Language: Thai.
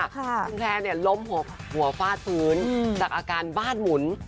คุณแพร่ล้มหัวฟาดฟื้นจากอาการบ้านหมุน